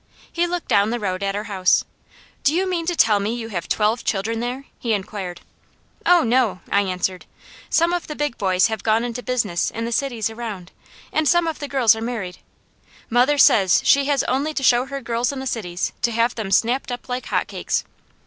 He looked down the road at our house. "Do you mean to tell me you have twelve children there?" he inquired. "Oh no!" I answered. "Some of the big boys have gone into business in the cities around, and some of the girls are married. Mother says she has only to show her girls in the cities to have them snapped up like hot cakes."